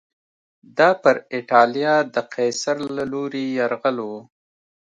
دا پر اېټالیا د قیصر له لوري یرغل و